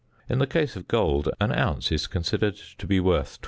In the case of gold, an ounce is considered to be worth 20.